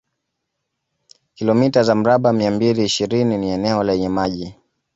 Kilomita za mraba mia mbili ishirini ni eneo lenye maji